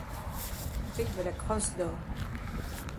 Prix de la crosse d'or.